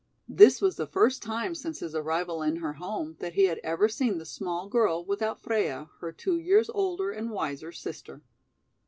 This was the first time since his arrival in her home that he had ever seen the small girl without Freia, her two years older and wiser sister.